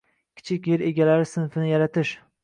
kichik yer egalari sinfini yaratish